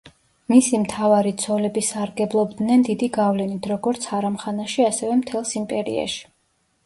მისი მთავარი ცოლები სარგებლობდნენ დიდი გავლენით როგორც ჰარამხანაში, ასევე მთელს იმპერიაში.